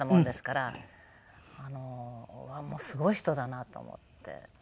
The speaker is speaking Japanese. あのもうすごい人だなと思って。